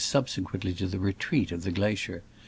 subsequently to the retreat of the gla cier.